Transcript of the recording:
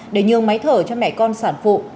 để nhường máy thở cho mẹ con sản phụ